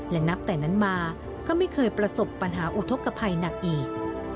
และนับแต่นั้นมาก็ไม่เคยประสบปัญหาอุทธกภัยหนักอีก